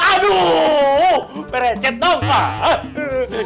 aduh merecet dong pak